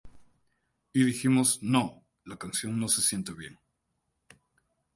Y dijimos "No, la canción no se siente bien".